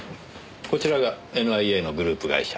こちらがＮＩＡのグループ会社。